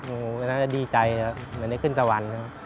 หนูก็น่าจะดีใจครับเหมือนในขึ้นสวรรค์ครับ